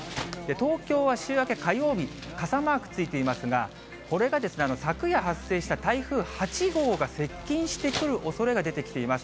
東京は週明け火曜日、傘マークついていますが、これが昨夜発生した台風８号が接近してくるおそれが出てきています。